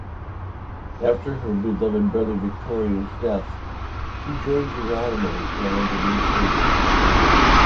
After her beloved brother Victorio's death, she joined Geronimo's band of insurgents.